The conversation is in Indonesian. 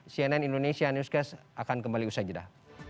cnn indonesia newscast akan kembali usai jeda